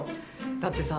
だってさ。